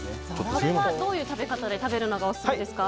これは、どういう食べ方で食べるのがオススメですか？